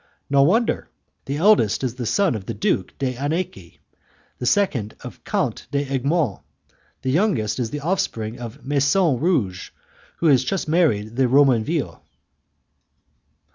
"No wonder! The eldest is the son of the Duke d'Anneci, the second of Count d'Egmont, and the youngest is the offspring of Maison Rouge, who has just married the Romainville."